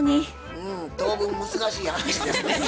うん当分難しい話ですね。